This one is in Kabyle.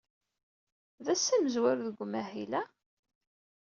D ass amezwaru deg umahil, ah?